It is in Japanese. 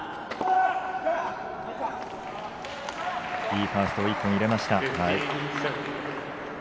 いいファーストを１本入れました。